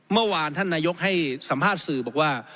เมื่อวานท่านนายกให้สัมภาษณ์สื่อบอกว่า